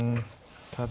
ただ。